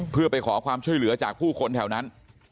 เพื่อไปขอความช่วยเหลือจากผู้คนแถวนั้น